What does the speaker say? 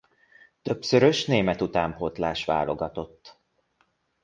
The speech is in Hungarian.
Többszörös német utánpótlás-válogatott.